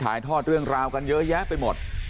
ทอดเรื่องราวกันเยอะแยะไปหมด